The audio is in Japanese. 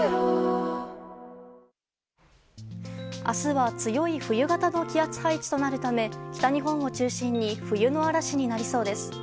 明日は強い冬型の気圧配置となるため北日本を中心に冬の嵐になりそうです。